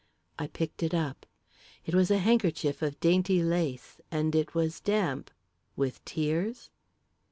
I picked it up. It was a handkerchief of dainty lace and it was damp with tears?